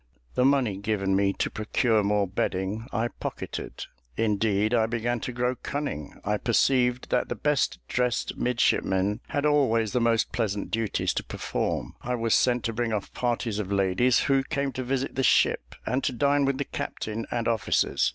The money given me to procure more bedding, I pocketed: indeed I began to grow cunning. I perceived that the best dressed midshipmen had always the most pleasant duties to perform. I was sent to bring off parties of ladies who came to visit the ship, and to dine with the captain and officers.